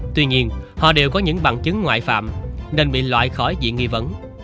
tuy nhiên họ đều có những bằng chứng ngoại phạm nên bị loại khỏi diện nghi vấn